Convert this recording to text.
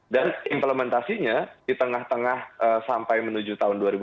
dan implementasinya di tengah tengah sampai menuju tahun dua ribu dua puluh satu